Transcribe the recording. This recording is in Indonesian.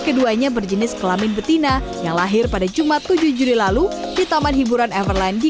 keduanya berjenis kelamin betina yang lahir pada jumat tujuh juli lalu di taman hiburan everland di